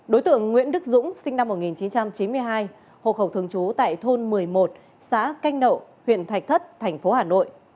đối tượng nguyễn đức dũng sinh năm một nghìn chín trăm chín mươi hai hộ khẩu thường trú tại thôn một mươi một xã canh nậu huyện thạch thất thành phố hà nội